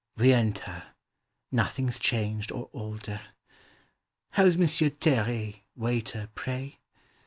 We enter; nothing's changed or older. " How 's Monsieur Terre, waiter, pray?